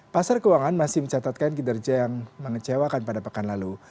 pasar keuangan masih mencatatkan kinerja yang mengecewakan pada pekan lalu